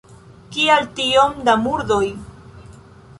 Kial tiom da murdoj?